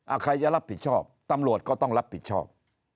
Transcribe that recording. ใครจะรับผิดชอบตำรวจก็ต้องรับผิดชอบ